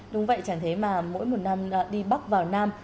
đúng vậy chẳng thế mà mỗi một năm đi bắc vào nam